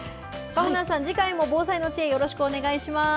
かほなんさん、次回も防災の知恵、よろしくお願いします。